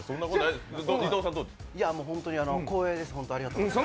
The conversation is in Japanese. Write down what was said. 本当に光栄です、ありがとうございました。